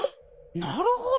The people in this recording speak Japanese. なるほど。